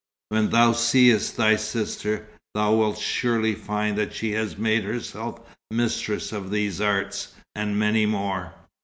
When thou seest thy sister, thou wilt surely find that she has made herself mistress of these arts, and many more."